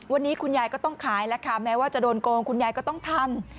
วันนี้คุณยายก็ต้องขายแล้วค่ะแม้ว่าจะโดนโกงคุณยายก็ต้องทำ